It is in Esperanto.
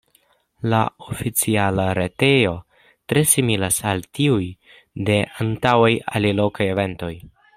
La oficiala retejo tre similas al tiuj de antaŭaj alilokaj eventoj.